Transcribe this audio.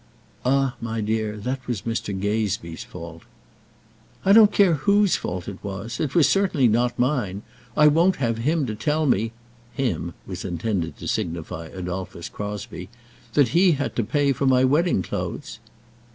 "Ah, my dear, that was Mr. Gazebee's fault." "I don't care whose fault it was. It certainly was not mine. I won't have him to tell me" "him" was intended to signify Adolphus Crosbie "that he had to pay for my wedding clothes."